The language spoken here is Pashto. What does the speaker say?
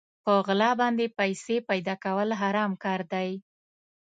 په غلا باندې پيسې پيدا کول حرام کار دی.